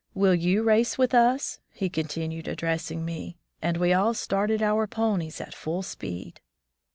Will you race with us?" he continued, addressing me; and we all started our ponies at full speed.